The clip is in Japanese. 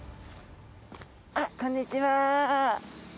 あらこんにちは。